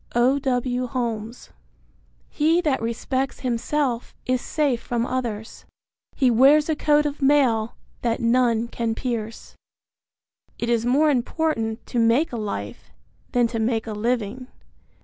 O. W. Holmes. He that respects himself is safe from others; He wears a coat of mail that none can pierce. It is more important to make a life than to make a living.